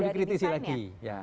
ini yang perlu dikritisi lagi ya